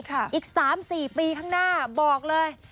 อีก๓๔ปีข้างหน้าบอกเลย